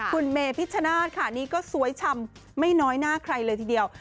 คุณเมพิชชนาธิ์ค่ะนี่ก็สวยชำไม่น้อยหน้าใครเลยทีเดียว